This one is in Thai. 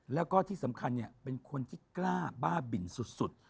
แล้วก็ที่สำคัญเป็นคนที่กล้าบ้าบินสุด